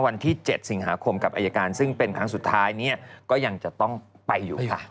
วันที่๗สิงหาคมกับอายการซึ่งเป็นครั้งสุดท้ายเนี่ยก็ยังจะต้องไปอยู่ค่ะ